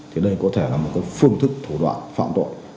thì đây có thể là một cái phương thức thủ đoạn phạm tội